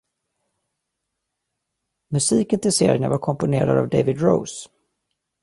Musiken till serierna var komponerad av David Rose.